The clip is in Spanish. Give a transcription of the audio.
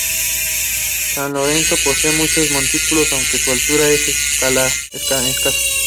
San Lorenzo posee muchos montículos, aunque su altura es escasa.